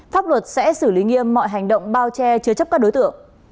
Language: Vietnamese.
pháp luật sẽ xử lý nghiêm mọi hành động bao che chứa chấp các đối tượng